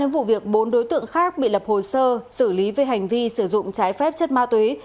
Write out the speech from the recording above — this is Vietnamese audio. vụ việc bốn đối tượng khác bị lập hồ sơ xử lý về hành vi sử dụng trái phép chất ma túy